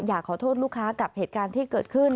อยากขอโทษลูกค้ากับเหตุการณ์ที่เกิดขึ้น